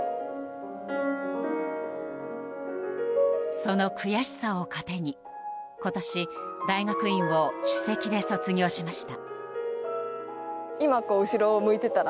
その悔しさを糧に今年大学院を首席で卒業しました。